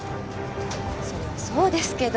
それはそうですけど。